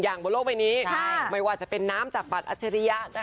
อย่างบันโลกใบนี้ใช่ไม่ว่าจะเป็นน้ำจากปัดอัชริยะนะคะ